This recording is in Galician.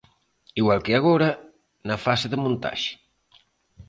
Igual que agora, na fase de montaxe.